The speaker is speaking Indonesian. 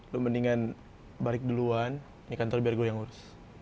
lo mendingan balik duluan nanti biar gue yang urus